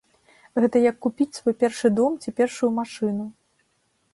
Гэта як купіць свой першы дом ці першую машыну.